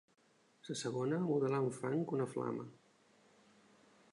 La segona, modelar en fang una flama